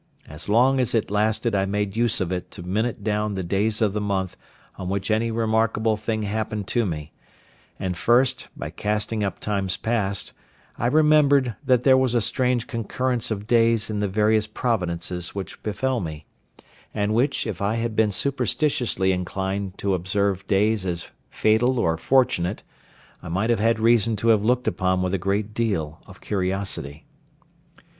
As long as it lasted I made use of it to minute down the days of the month on which any remarkable thing happened to me; and first, by casting up times past, I remembered that there was a strange concurrence of days in the various providences which befell me, and which, if I had been superstitiously inclined to observe days as fatal or fortunate, I might have had reason to have looked upon with a great deal of curiosity.